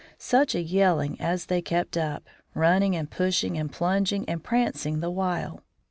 Such a yelling as they kept up, running and pushing and plunging and prancing the while!